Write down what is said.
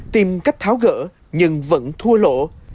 tìm cách tháo gỡ nhưng vẫn thua lỗ